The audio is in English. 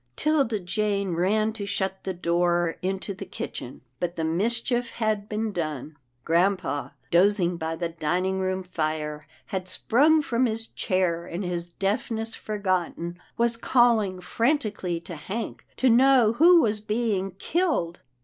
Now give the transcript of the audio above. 'Tilda Jane ran to shut the door into the kitchen, but the mischief had been done. Grampa, dozing by the dining room fire, had sprung from his chair,, and, his deafness forgotten, was calling frantically to Hank, to know who was being killed.